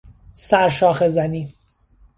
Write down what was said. سر شاخه زنی